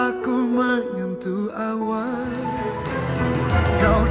aku akan mencari kamu